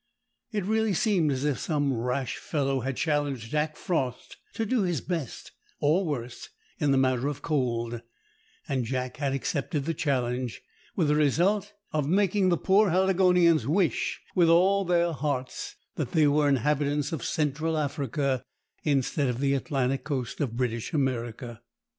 It really seemed as if some rash fellow had challenged Jack Frost to do his best (or worst) in the matter of cold, and Jack had accepted the challenge, with the result of making the poor Haligonians wish with all their hearts that they were inhabitants of Central Africa instead of the Atlantic coast of British America.